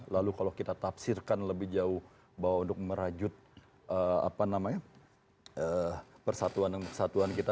lalu kalau kita tafsirkan lebih jauh bahwa untuk merajut persatuan dan kesatuan kita